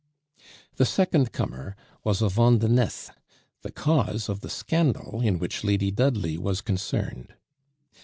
The second comer was a Vandenesse, the cause of the scandal in which Lady Dudley was concerned.